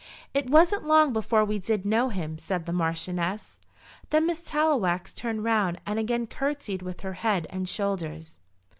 "It wasn't long before we did know him," said the Marchioness. Then Miss Tallowax turned round and again curtseyed with her head and shoulders.